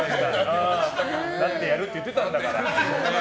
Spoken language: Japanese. なってやるって言ってたんだから。